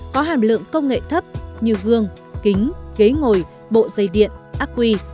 có hàm lượng công nghệ thấp như gương kính ghế ngồi bộ dây điện ác quy